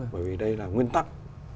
bởi vì đây là nguyên tắc